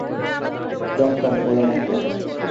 জানতাম ও এমন করবে।